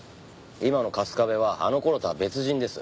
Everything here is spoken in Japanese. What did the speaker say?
今の春日部はあの頃とは別人です。